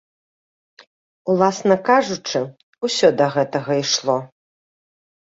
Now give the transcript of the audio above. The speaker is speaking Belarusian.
Уласна кажучы, усё да гэтага ішло.